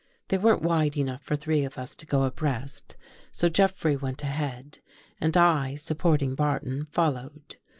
They weren't wide enough for three of us to go abreast so Jeffrey 231 THE GHOST GIRL went ahead and I, supporting Barton, followed.